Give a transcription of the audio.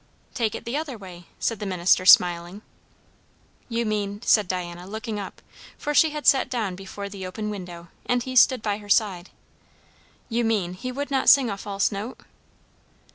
"Take it the other way," said the minister, smiling. "You mean" said Diana, looking up, for she had sat down before the open window, and he stood by her side; "you mean, he would not sing a false note?"